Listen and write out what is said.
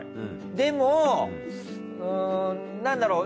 でもなんだろう。